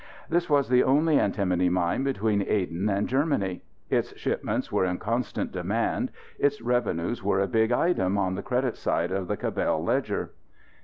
This was the only antimony mine between Aden and Germany. Its shipments were in constant demand. Its revenues were a big item on the credit side of the Cabell ledger.